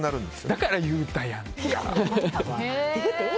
だから言うたやん！